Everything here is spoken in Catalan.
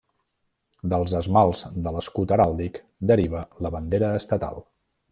Dels esmalts de l'escut heràldic deriva la bandera estatal.